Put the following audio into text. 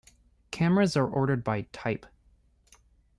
Cameras are ordered by type.